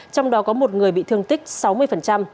trong đó có một người bị thương tích sáu mươi